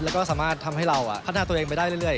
แล้วก็สามารถทำให้เราพัฒนาตัวเองไปได้เรื่อย